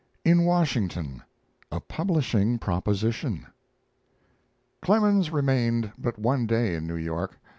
IN WASHINGTON A PUBLISHING PROPOSITION Clemens remained but one day in New York.